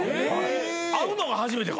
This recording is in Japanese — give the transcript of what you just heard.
会うのが初めてか？